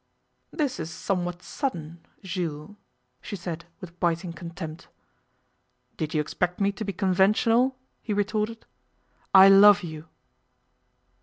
'This is somewhat sudden Jules,' she said with biting contempt. 'Did you expect me to be conventional?' he retorted. 'I love you.